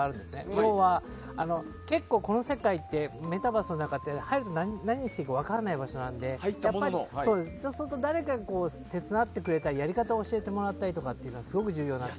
要は結構メタバースの中って入っても何をしていいか分からない場所なので誰かが手伝ってくれたりやり方を教えてもらったりというのがすごい重要で。